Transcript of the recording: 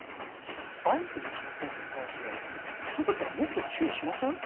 バイクで来た生徒に対して普通だったらもっと注意しません？